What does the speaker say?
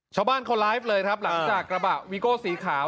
ชาวบ้านเขาไลฟ์เลยครับหลังจากกระบะวีโก้สีขาว